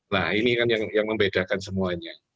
nah ini kan yang membedakan semuanya